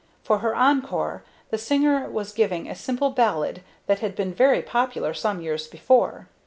For her encore the singer was giving a simple ballad that had been very popular some years before.